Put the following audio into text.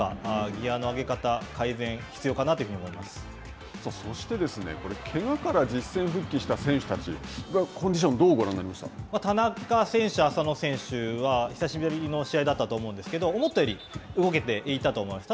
ギアの上げ方、改善が必要かなとそして、これ、けがから実戦復帰した選手たちコンディションは田中選手、浅野選手は、久しぶりの試合だったと思うんですけど、思ったより動けていたと思います。